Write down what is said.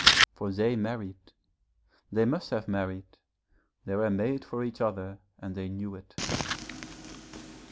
For they married, they must have married, they were made for each other and they knew it.